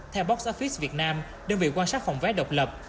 theo box office việt nam đơn vị quan sát phòng vé độc lập